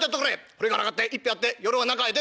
堀から上がって一杯やって夜は仲へ出て』。